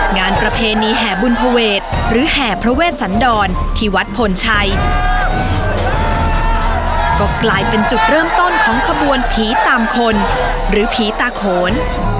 งานประเพณีแห่บุญภเวทหรือแห่พระเวชสันดรที่วัดพลชัยก็กลายเป็นจุดเริ่มต้นของขบวนผีตามคนหรือผีตาโขน